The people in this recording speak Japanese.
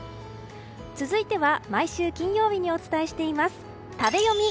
続いては毎週金曜日にお伝えしています食べヨミ。